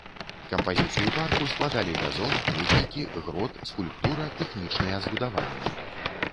Кампазіцыю парку складалі газон, кветнікі, грот, скульптура, тэхнічныя збудаванні.